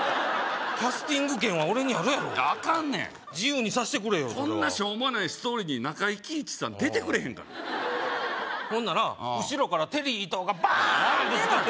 キャスティング権は俺にあるやろアカンねん自由にさせてくれよこんなしょうもないストーリーに中井貴一さん出てくれへんからほんなら後ろからテリー伊藤がバーン何でなん？